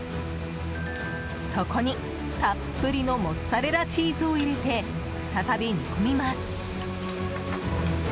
そこにたっぷりのモッツァレラチーズを入れて再び煮込みます。